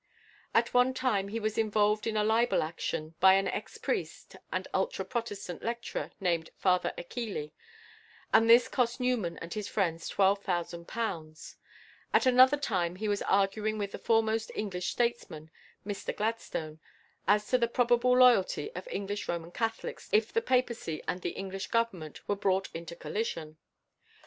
At one time he was involved in a libel action by an ex priest and ultra Protestant lecturer named Father Achilli, and this cost Newman and his friends twelve thousand pounds; at another time he was arguing with the foremost English statesman, Mr Gladstone, as to the probable loyalty of English Roman Catholics if the Papacy and the English Government were brought into collision.